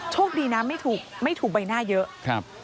โชคดีนะไม่ถูกใบหน้าเยอะ